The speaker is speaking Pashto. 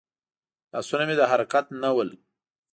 لاسونه مې د حرکت نه ول.